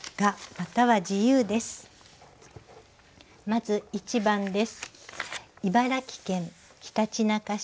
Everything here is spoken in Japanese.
まず１番です。